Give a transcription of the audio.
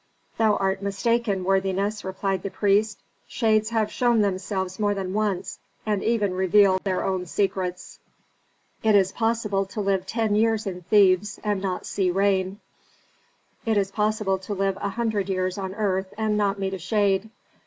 "Thou art mistaken, worthiness," replied the priest. "Shades have shown themselves more than once, and even revealed their own secrets. "It is possible to live ten years in Thebes and not see rain: it is possible to live a hundred years on earth and not meet a shade.